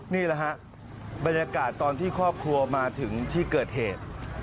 นี่แหละฮะบรรยากาศตอนที่ครอบครัวมาถึงที่เกิดเหตุ